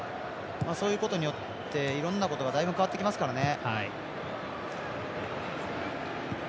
そういうことによっていろんなことがだいぶ変わってきますからね。